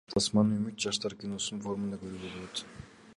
Тасманы Үмүт жаштар киносунун форумунда көрүүгө болот.